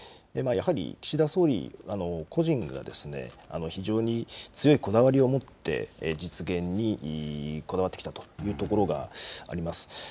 やはり、岸田総理個人が非常に強いこだわりを持って実現にこだわってきたというところがあります。